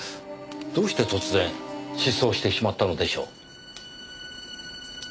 どうして突然失踪してしまったのでしょう？